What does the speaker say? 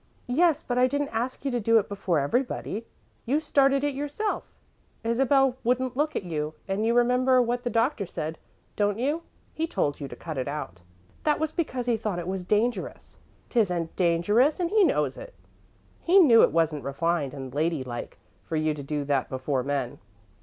"Yes, but I didn't ask you to do it before everybody. You started it yourself. Isabel wouldn't look at you, and you remember what the Doctor said, don't you? He told you to cut it out." "That was because he thought it was dangerous." "'Tisn't dangerous, and he knows it. He knew it wasn't refined and lady like for you to do that before men."